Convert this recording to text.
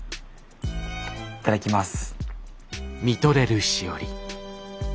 いただきます。